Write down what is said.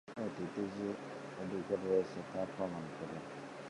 অতীতে যে অধিকার রয়েছে তা প্রমাণ করুন।